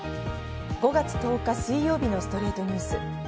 ５月１０日、水曜日の『ストレイトニュース』。